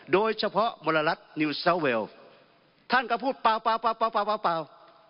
โดยเฉพาะมลรรดินิวสาวเวลท่านก็พูดเปล่าเปล่าเปล่าเปล่า